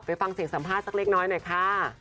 ฟังเสียงสัมภาษณ์สักเล็กน้อยหน่อยค่ะ